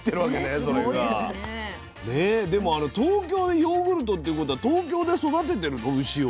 でも東京でヨーグルトっていうことは東京で育ててるの牛を？